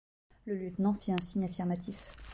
Le lieutenant fit un signe affirmatif.